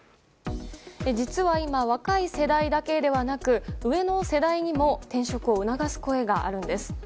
実は今、若い世代だけではなく上の世代にも転職を促す声があるんです。